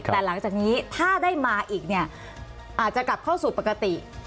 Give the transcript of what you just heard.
แต่หลังจากนี้ถ้าได้มาอีกเนี่ยอาจจะกลับเข้าสู่ปกติ